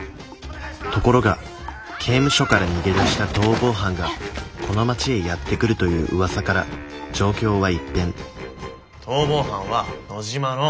ところが刑務所から逃げ出した逃亡犯がこの町へやって来るという噂から状況は一変逃亡犯は野嶋の。